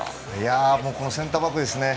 センターバックですね。